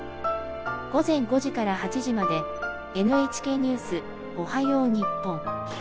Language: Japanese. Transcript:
「午前５時から８時まで『ＮＨＫニュースおはよう日本』。